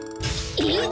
えっ？